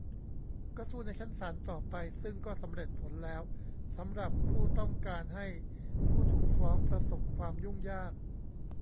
ก็สู้ในชั้นศาลต่อไป ซึ่งก็สำเร็จผลแล้วสำหรับผู้ต้องการให้ผู้ถูกฟ้องประสบความยุ่งยาก